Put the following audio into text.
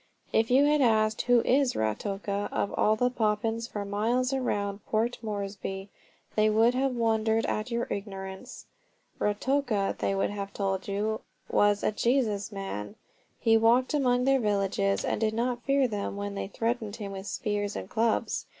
If you had asked "Who is Ruatoka?" of all the Papuans for miles around Port Moresby, they would have wondered at your ignorance. "Ruatoka," they would have told you, was a "Jesus man." He walked among their villages, and did not fear them when they threatened him with spears and clubs.